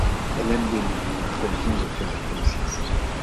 Elle aime Denis dont elle vient de faire la connaissance.